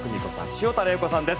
潮田玲子さんです。